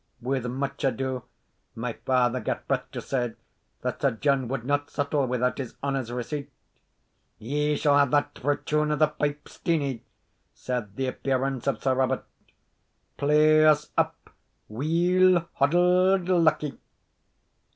With much ado my father gat breath to say that Sir John would not settle without his honour's receipt. "Ye shall hae that for a tune of the pipes, Steenie," said the appearance of Sir Robert "play us up 'Weel Hoddled, Luckie.